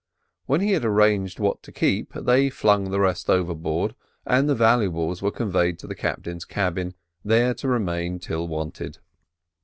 When he had arranged what to keep, they flung the rest overboard, and the valuables were conveyed to the captain's cabin, there to remain till wanted.